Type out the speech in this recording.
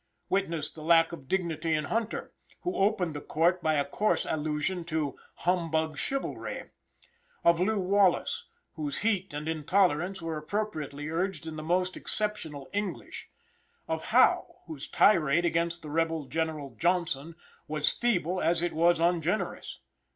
Witness the lack of dignity in Hunter, who opened the court by a coarse allusion to "humbug chivalry;" of Lew. Wallace, whose heat and intolerance were appropriately urged in the most exceptional English; of Howe, whose tirade against the rebel General Johnson was feeble as it was ungenerous!